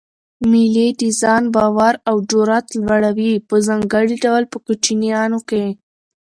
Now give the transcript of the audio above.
مېلې د ځان باور او جرئت لوړوي؛ په ځانګړي ډول په کوچنيانو کښي.